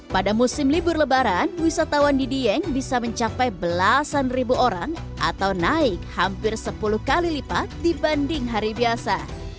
pada musim libur lebaran wisatawan di dieng bisa mencapai belasan ribu orang atau naik hampir sepuluh kali lipat dibanding hari biasa